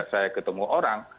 saya ketemu orang